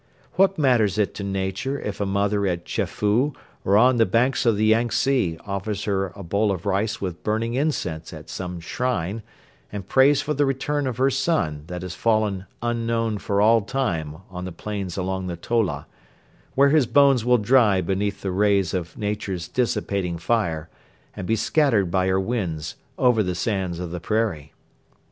What matters it to Nature if a mother at Chefoo or on the banks of the Yangtse offers her bowl of rice with burning incense at some shrine and prays for the return of her son that has fallen unknown for all time on the plains along the Tola, where his bones will dry beneath the rays of Nature's dissipating fire and be scattered by her winds over the sands of the prairie?